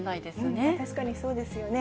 確かにそうですよね。